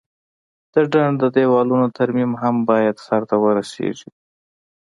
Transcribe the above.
د ډنډ د دیوالونو ترمیم هم باید سرته ورسیږي.